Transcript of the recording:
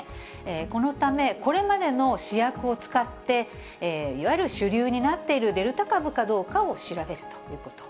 このため、これまでの試薬を使って、いわゆる主流になっているデルタ株かどうかを調べるということ。